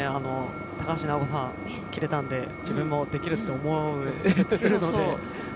高橋尚子さん、切れたんで自分もできるって思うっていうので。